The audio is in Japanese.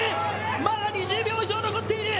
まだ２０秒以上残っている。